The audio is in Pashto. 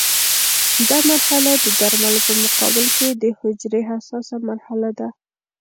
دا مرحله د درملو په مقابل کې د حجرې حساسه مرحله ده.